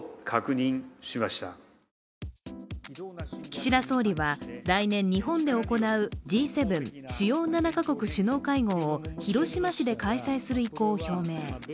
岸田総理は来年、日本で行うＧ７＝主要７か国首脳会合を広島市で開催する意向を表明。